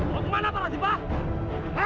kau kemana para jipah